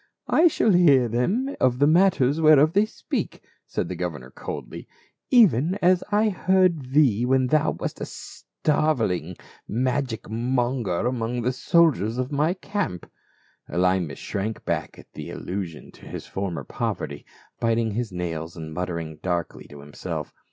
" I shall hear them of the matters whereof they speak," said the governor coldly, "even as I heard thee, when thou wast a starveling magic monger among the soldiers of my camp.* Elymas shrank back at this allusion to his former poverty, biting his nails and muttering darkly to him self.